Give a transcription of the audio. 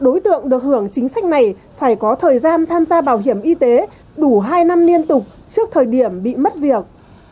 đối tượng được hưởng chính sách này phải có thời gian tham gia bảo hiểm y tế đủ hai năm liên tục trước thời điểm bị mất việc